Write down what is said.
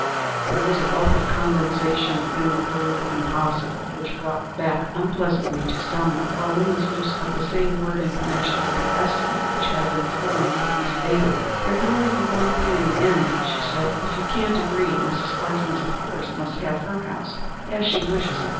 There was a wealth of condensation in the word 'impossible' which brought back unpleasantly to Selma Pauline's use of the same word in connection with the estimate which had been formed of Miss Bailey. "There can be only one thing to do in the end," she said, "if you can't agree. Mrs. Parsons, of course, must have her house as she wishes it.